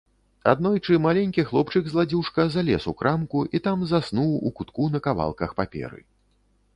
Аднойчы маленькі хлопчык-зладзюжка залез у крамку і там заснуў у кутку на кавалках паперы.